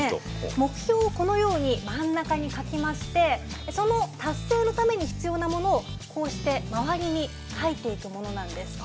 目標をこのように真ん中に書きましてその達成のために必要なものをこうして周りに書いていくものなんです。